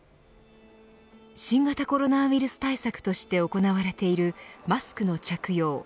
新型コロナウイルス対策として行われているマスクの着用。